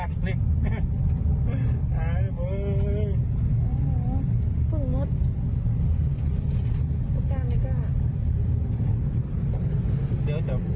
โอ้โหหลังกาทำเมี้ยล่าดนี่